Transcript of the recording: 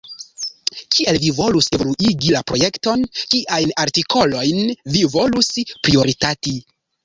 Kiel vi volus evoluigi la projekton, kiajn artikolojn vi volus prioritati?